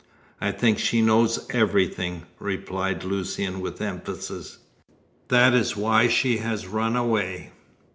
"I think she knows everything," replied Lucian with emphasis. "That is why she has run away.